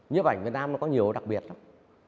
như vậy việt nam nó có nhiều đặc biệt lắm